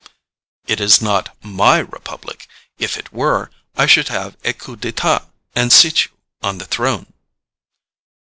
"It is not MY republic; if it were, I should have a COUP D'ETAT and seat you on the throne."